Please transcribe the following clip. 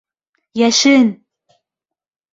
Йәшен!